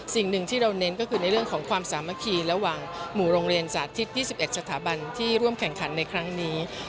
สิ่งหนึ่งที่เราเน้นก็คือในเรื่องของความสามัคคีระหว่างหมู่โรงเรียนสาธิต๒๑สถาบันที่ร่วมแข่งขันในครั้งนี้